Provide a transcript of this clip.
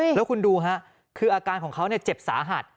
แล้วคุณดูฮะคืออาการของเขาเจ็บสาหัส